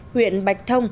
huyện bạch thông bị ruột